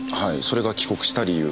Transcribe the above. それが帰国した理由。